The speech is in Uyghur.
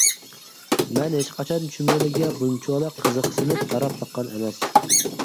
مەن ھېچقاچان چۈمۈلىگە بۇنچىۋالا قىزىقسىنىپ قاراپ باققان ئەمەس.